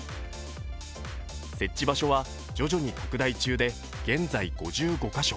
設置場所は徐々に拡大中で現在、５５か所。